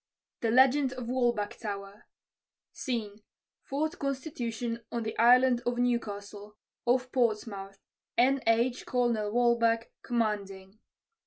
THE LEGEND OF WALBACH TOWER SCENE. _Fort Constitution on the Island of Newcastle, off Portsmouth, N. H., Colonel Walbach, commanding.